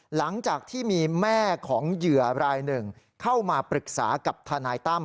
หลังจากที่มีแม่ของเหยื่อรายหนึ่งเข้ามาปรึกษากับทนายตั้ม